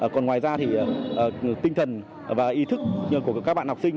còn ngoài ra thì tinh thần và ý thức của các bạn học sinh